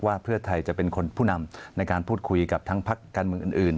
ว่าเพื่อไทยจะเป็นคนผู้นำในการพูดคุยกับทั้งพักการเมืองอื่น